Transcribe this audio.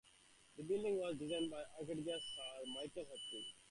The building was designed by architect Sir Michael Hopkins.